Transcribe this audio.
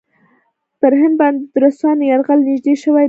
پر هند باندې د روسانو یرغل نېږدې شوی دی.